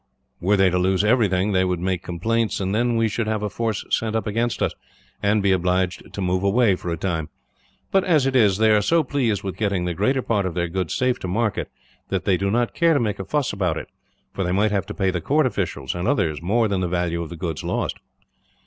Were they to lose everything, they would make complaints; and then we should have a force sent up against us, and be obliged to move away, for a time. But as it is, they are so pleased with getting the greater part of their goods safe to market that they do not care to make a fuss about it; for they might have to pay the court officials, and others, more than the value of the goods lost."